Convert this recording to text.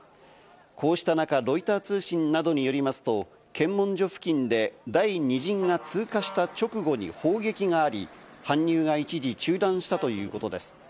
こうした中、ロイター通信などによりますと、検問所付近で第２陣が通過した直後に砲撃があり、搬入が一時中断したということです。